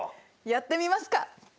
やってみますか。